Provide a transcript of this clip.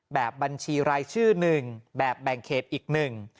แบบบัญชีรายชื่อหนึ่งแบบแบ่งเขตอีกหนึ่ง